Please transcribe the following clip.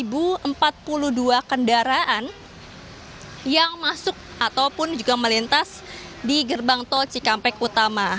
jadi ini di sini adalah kendaraan kendaraan yang masuk ataupun juga melintas di gerbang tol cikampek utama